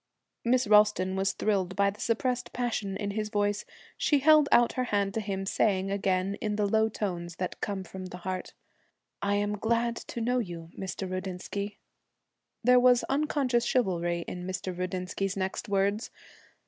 Miss Ralston was thrilled by the suppressed passion in his voice. She held out her hand to him, saying again, in the low tones that come from the heart, 'I am glad I know you, Mr. Rudinsky.' There was unconscious chivalry in Mr. Rudinsky's next words.